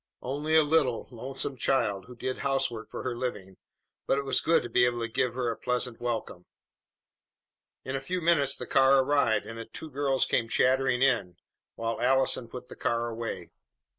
Only a little, lonesome child who did housework for her living, but it was good to be able to give her a pleasant welcome. In a few minutes the car arrived, and the two girls came chattering in, while Allison put the car away.